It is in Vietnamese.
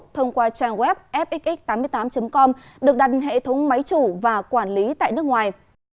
thông qua trang web fxx tám mươi tám com được đặt hệ thống máy chủ và quản lý tại nước ngoài